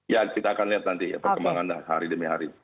ya kita akan lihat nanti ya perkembangan hari demi hari